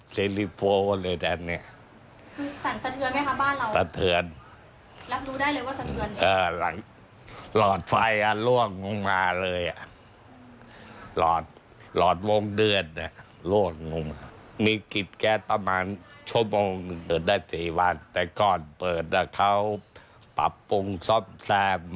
ชั่วโมงอยู่ได้๔วันแต่ก่อนเปิดเขาปรับปรุงซ่อมแซม